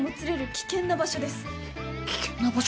危険な場所？